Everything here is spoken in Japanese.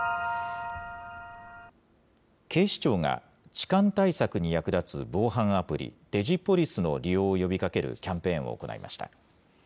警視庁が痴漢対策に役立つ防犯アプリ、ＤｉｇｉＰｏｌｉｃｅの利用を呼びかけるキャンペーンを行いました。